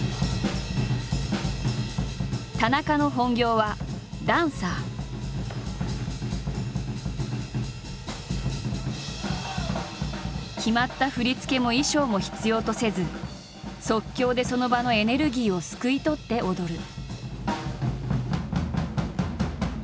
田中の本業は決まった振り付けも衣装も必要とせず即興でその場のエネルギーをすくい取って踊る。